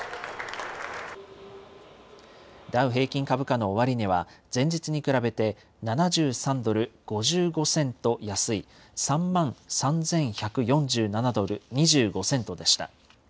ダウ平均株価の終値は前日に比べて７３ドル５５セント安い、３万３１４７ドル２５セントでした。